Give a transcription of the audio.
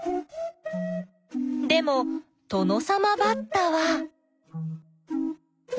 でもトノサマバッタは。